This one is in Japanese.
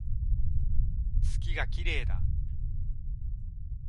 月が綺麗だ